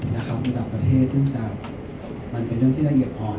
มันเป็นเรื่องที่ละเอียบอ่อน